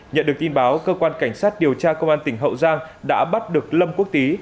nhận được tin báo cơ quan cảnh sát điều tra công an tỉnh hậu giang đã bắt được lâm quốc tý